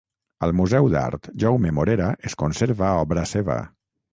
Al Museu d'Art Jaume Morera es conserva obra seva.